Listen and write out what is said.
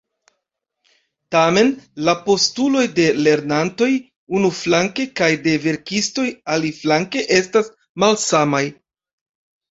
Tamen, la postuloj de lernantoj, unuflanke, kaj de verkistoj, aliflanke, estas malsamaj.